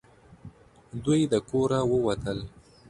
دوی د کوره ووتل .